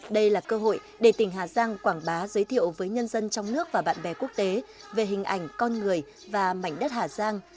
đây là cơ hội để tỉnh hà giang quảng bá giới thiệu với nhân dân trong nước và bạn bè quốc tế về hình ảnh con người và mảnh đất hà giang